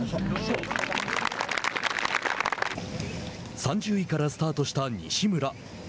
３０位からスタートした西村。